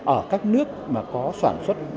ở các nước mà có sản xuất